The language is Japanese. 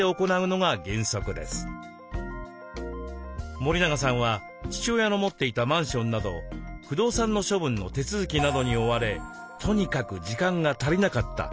森永さんは父親の持っていたマンションなど不動産の処分の手続きなどに追われとにかく時間が足りなかったといいます。